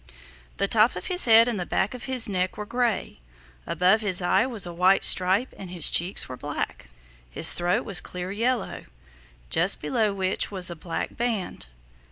The top of his head and the back of his neck were gray. Above his eye was a white stripe and his cheeks were black. His throat was clear yellow, just below which was a black band.